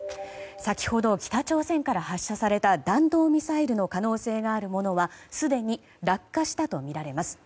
先ほど北朝鮮から発射された弾道ミサイルの可能性があるものはすでに落下したとみられます。